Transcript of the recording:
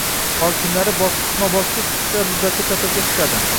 Hokimlari bosqichma-bosqich qisqa muddatli taʼtilga chiqadi.